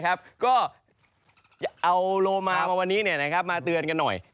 ก็เอาโลมามาวันนี้มาเตือนกันหน่อย